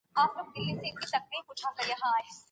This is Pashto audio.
ماشوم له خپل ادب سره نښلوي.